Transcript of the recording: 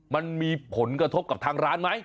มันมีผลกระทบกับทางร้านไหม